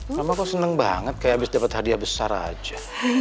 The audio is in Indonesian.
mama kok seneng banget kayak abis dapet hadiah besar aja